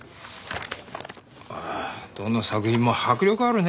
ああどの作品も迫力あるねえ。